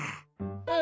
うん。